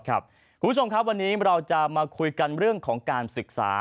คุณผู้ชมครับวันนี้เราจะมาคุยกันเรื่องของการศึกษา